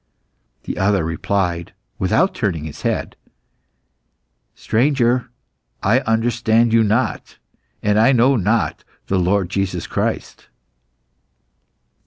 The other replied without turning his head "Stranger, I understand you not, and I know not the Lord Jesus Christ."